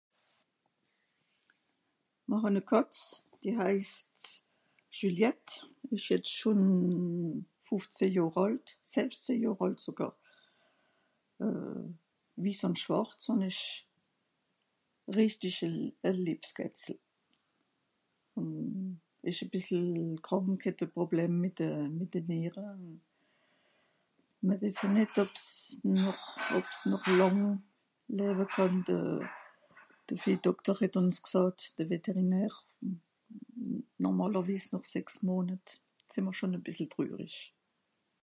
mr hàn e Kàtz die heisst Juliette isch jetz schon fufzeh Johr àlt sächzeh johr àlt sogàr euh wiss un schwàrz un isch rechtisch e lieb e Liebs Kätzel un isch e bissel krànk het e Problem mit de mit de Niere un mr wisse nitt ob s noch ob s noch làng läwe kànn de de Viehdokter het uns gsààt de Vétérinaire normàlerwies noch sechs Monet sin mr schon e bissel trürisch